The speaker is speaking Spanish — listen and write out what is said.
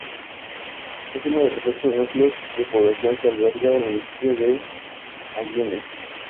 Es uno de los ocho núcleos de población que alberga el municipio de Agüimes.